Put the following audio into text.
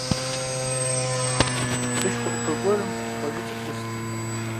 Псышхуэ Ӏуфэ гуэрым къуажэ цӀыкӀу Ӏуст.